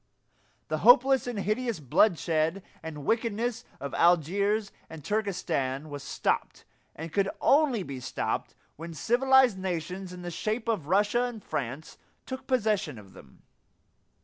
The hopeless and hideous bloodshed and wickedness of Algiers and Turkestan was stopped, and could only be stopped, when civilized nations in the shape of Russia and France took possession of them.